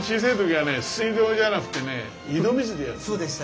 そうでした。